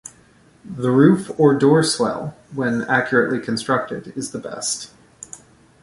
The roof or door swell, when accurately constructed, is the best.